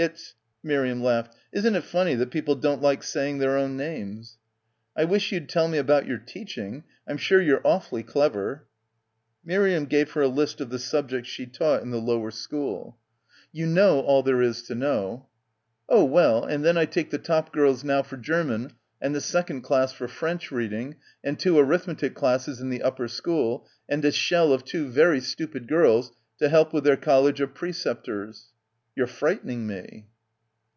"It's " Miriam laughed. "Isn't it funny that people don't like saying their own names." "I wish you'd tell me about your teaching. I'm sure you're awfly ckver." Miriam gave her a list of the subjects she taught in the lower school. — 161 — PILGRIMAGE , "You know all there is to know." "Oh well, and then I take die top girls now for German and the second class for French reading, and two arithmetic classes in the upper school, and a 'shell' of two very stupid girls to help with their College of Preceptors. 3 "You're frightening me.